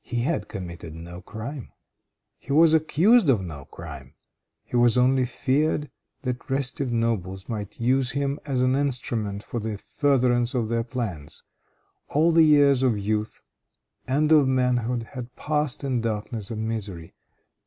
He had committed no crime. He was accused of no crime. It was only feared that restive nobles might use him as an instrument for the furtherance of their plans. All the years of youth and of manhood had passed in darkness and misery.